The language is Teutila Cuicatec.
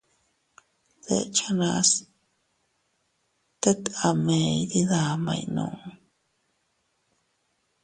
Deʼchanas tet a mee iydidamay nuu.